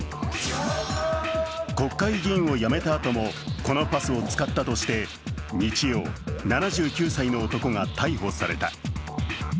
国会議員を辞めたあとも、このパスを使ったとして日曜、７９歳の男が逮捕された。